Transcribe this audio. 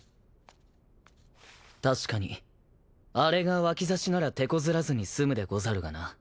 確かにあれが脇差しならてこずらずに済むでござるがな。